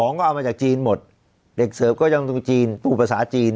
ก็เอามาจากจีนหมดเด็กเสิร์ฟก็ยังดูจีนพูดภาษาจีน